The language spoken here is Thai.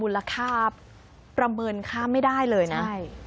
ค่าประเมินค่าไม่ได้เลยนะ